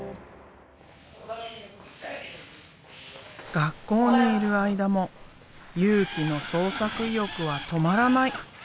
学校にいる間も佑貴の創作意欲は止まらない！